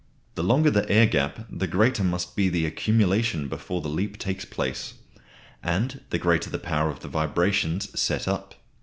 The longer the air gap the greater must be the accumulation before the leap takes place, and the greater the power of the vibrations set up.